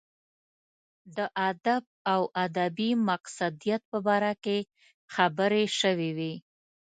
د ادب او ادبي مقصدیت په باره کې خبرې شوې وې.